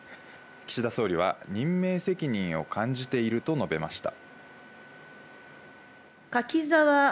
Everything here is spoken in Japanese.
岸田総理は任命責任を感じていると述べました。